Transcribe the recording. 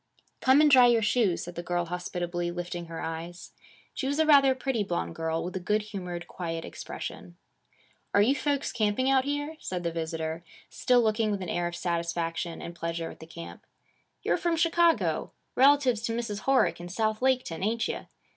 'Come and dry your shoes,' said the girl hospitably, lifting her eyes. She was a rather pretty blonde girl, with a good humored, quiet expression. 'Are you folks camping out here?' said the visitor, still looking with an air of satisfaction and pleasure at the camp. 'You're from Chicago, relatives to Mrs. Horick in South Laketown, ain't you?